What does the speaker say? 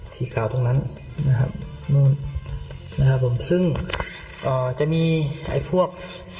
สีขาวตรงนั้นนะครับนู่นนะครับผมซึ่งเอ่อจะมีไอ้พวก